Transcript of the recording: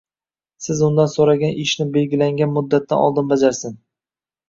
siz undan so‘ragan ishni belgilangan muddatdan oldin bajarsin.